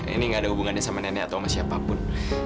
ini gak ada hubungannya sama nenek atau sama siapapun